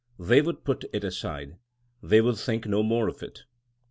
They would put it aside. They would think no more of it.